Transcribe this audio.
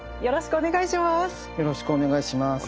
お願いします！